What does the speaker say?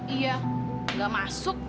iya gak masuk